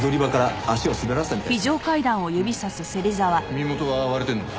身元は割れてんのか？